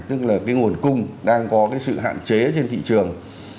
tức là cái nguồn cung đang có cái sự hạn chế trên thị trường